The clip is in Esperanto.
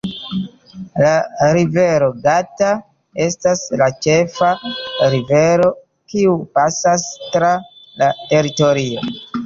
La Rivero Gata estas la ĉefa rivero kiu pasas tra la teritorio.